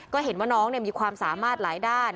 ก็เห็นว่าน้องมีความสามารถหลายด้าน